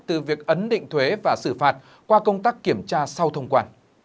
từ việc ấn định thuế và xử phạt qua công tác kiểm tra sau thông quan